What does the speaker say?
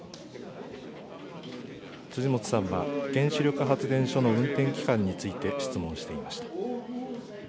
辻元さんは、原子力発電所の運転期間について質問していました。